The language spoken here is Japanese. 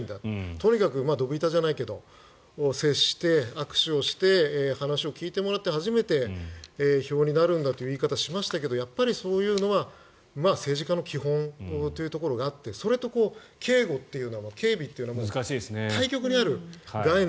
とにかく、どぶ板じゃないけど接して、握手をして話を聞いてもらって初めて票になるんだという言い方をしましたがやっぱりそういうのは政治家の基本というところがあってそれと警護というのは警備というのは対極にある概念